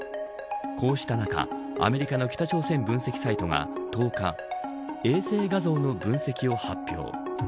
こうした中、アメリカの北朝鮮分析サイトが１０日衛星画像の分析を発表。